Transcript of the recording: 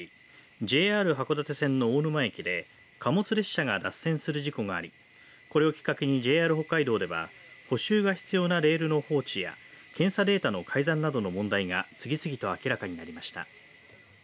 ＪＲ函館線の大沼駅で貨物列車が脱線する事故がありこれをきっかけにＪＲ北海道では補修が必要なレールの放置や検査データの改ざんなどの問題が次々と明らかになりました。